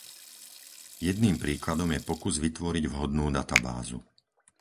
Jedným príkladom je pokus vytvoriť vhodnú databázu.